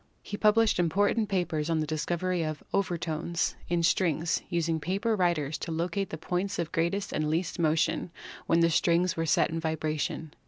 He published important papers on the discovery of "overtones" in strings, using paper riders to locate the points of greatest and least motion when the strings were set in vibration.